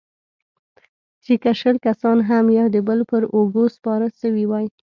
چې که شل کسان هم يو د بل پر اوږو سپاره سوي واى.